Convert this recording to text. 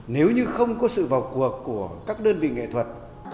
nếu như không có sự vào cuộc của các đơn vị nghệ thuật